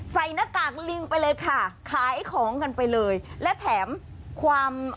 ใส่หน้ากากลิงไปเลยค่ะขายของกันไปเลยและแถมความ